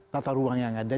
tata ruang yang ada